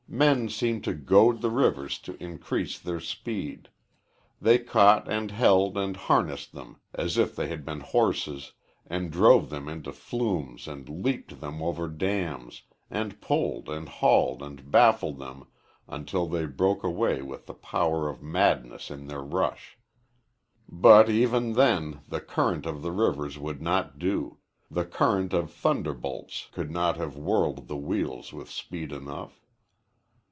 Men seemed to goad the rivers to increase their speed. They caught and held and harnessed them as if they had been horses and drove them into flumes and leaped them over dams and pulled and hauled and baffled them until they broke away with the power of madness in their rush. But, even then, the current of the rivers would not do; the current of thunderbolts could not have whirled the wheels with speed enough.